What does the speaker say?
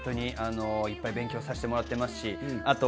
いっぱい勉強させてもらっていますし、